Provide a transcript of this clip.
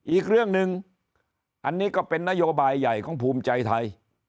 อีกเรื่องหนึ่งอันนี้ก็เป็นนโยบายใหญ่ของภูมิใจไทย